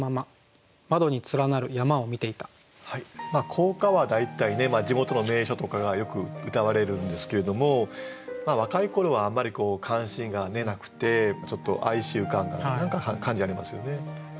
校歌は大体ね地元の名所とかがよく歌われるんですけれども若い頃はあんまり関心がなくてちょっと哀愁感が何か感じられますよね。